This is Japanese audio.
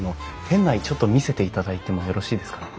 店内ちょっと見せていただいてもよろしいですかね？